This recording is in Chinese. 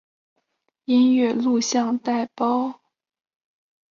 音乐录像带包含纯粹主义的概念。